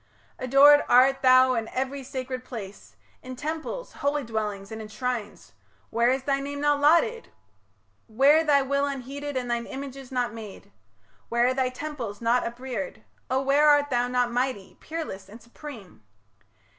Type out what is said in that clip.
Adored art thou in every sacred place, In temples, holy dwellings, and in shrines, Where is thy name not lauded? where thy will Unheeded, and thine images not made? Where are thy temples not upreared? O, where Art thou not mighty, peerless, and supreme?